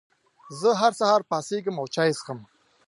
زه هر سهار پاڅېږم او چای څښم.